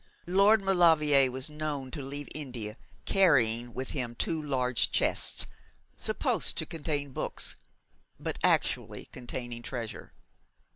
'Lord Maulevrier was known to leave India carrying with him two large chests supposed to contain books but actually containing treasure.